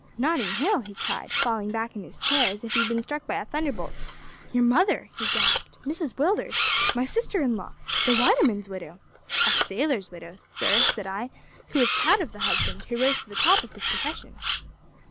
"`Notting Hill!' he cried, falling back in his chair as if he had been struck by a thunderbolt. `Your mother,' he gasped, `Mrs Willders my sister in law the waterman's widow?' `A sailor's widow, sir,' said I, `who is proud of the husband, who rose to the top of his profession.'